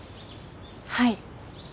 はい。